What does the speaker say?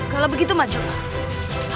kalau begitu majumlah